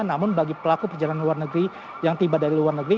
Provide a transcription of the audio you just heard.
namun bagi pelaku perjalanan luar negeri yang tiba dari luar negeri